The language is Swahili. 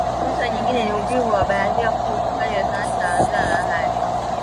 Fursa nyingine ni uvuvi wa bahari kuu ufugaji samaki na mazao ya bahari